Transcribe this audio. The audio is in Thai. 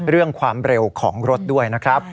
เรื่องความเร็วของรถด้วยนะครับ